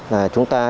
là chúng ta